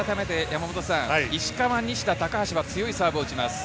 石川、西田、高橋は強いサーブを打ちます。